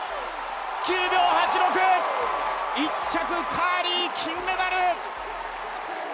９秒８６１着、カーリー金メダル！